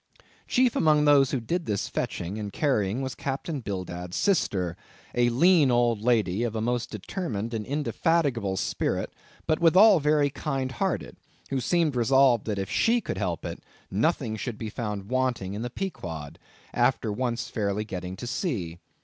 Chief among those who did this fetching and carrying was Captain Bildad's sister, a lean old lady of a most determined and indefatigable spirit, but withal very kindhearted, who seemed resolved that, if she could help it, nothing should be found wanting in the Pequod, after once fairly getting to sea.